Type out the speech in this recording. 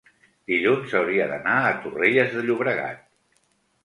dilluns hauria d'anar a Torrelles de Llobregat.